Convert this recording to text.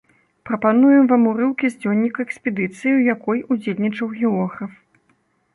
Прапануем вам урыўкі з дзённіка экспедыцыі, у якой удзельнічаў географ.